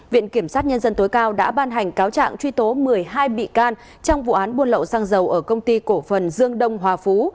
viện kiểm sát nhân dân tối cao đã ban hành cáo trạng truy tố một mươi hai bị can trong vụ án buôn lậu xăng dầu ở công ty cổ phần dương đông hòa phú